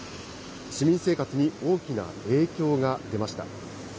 市民生活に大きな影響が出ました。